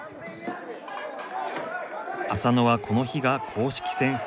浅野はこの日が公式戦初登板。